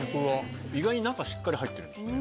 意外に中しっかり入ってるんですね。